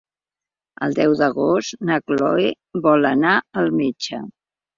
El deu d'agost na Cloè vol anar al metge.